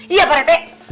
iya pak rete